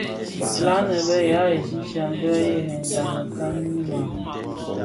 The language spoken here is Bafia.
La nnë bë ya Egypten bë rëňgya mekani maa?